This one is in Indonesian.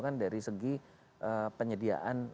kan dari segi penyediaan